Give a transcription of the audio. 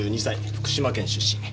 福島県出身。